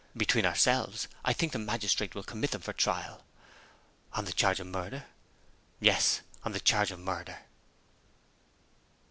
"Between ourselves, I think the magistrate will commit them for trial." "On the charge of murder?" "Yes, on the charge of murder."